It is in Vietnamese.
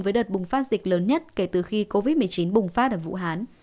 với đợt bùng phát dịch lớn nhất kể từ khi covid một mươi chín bùng phát ở vũ hán